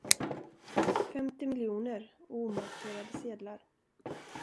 Femtio miljoner, omarkerade sedlar.